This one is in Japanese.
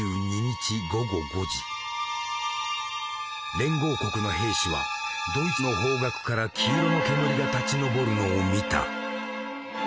連合国の兵士はドイツの方角から黄色の煙が立ちのぼるのを見た。